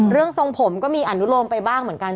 ทรงผมก็มีอนุโลมไปบ้างเหมือนกัน